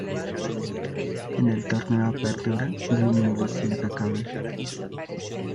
En el Torneo Apertura, Blooming lucía impecable.